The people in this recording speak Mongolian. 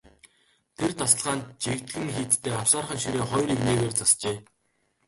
Тэр тасалгаанд жигдхэн хийцтэй авсаархан ширээ хоёр эгнээгээр засжээ.